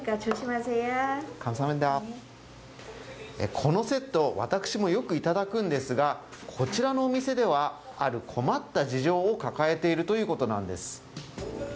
このセット、私もよくいただくんですがこちらのお店ではある困った事情を抱えているということなんです。